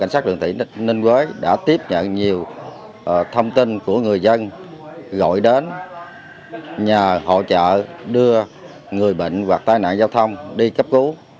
cảnh sát đường thủy ninh quới đã tiếp nhận nhiều thông tin của người dân gọi đến nhờ hỗ trợ đưa người bệnh hoặc tai nạn giao thông đi cấp cứu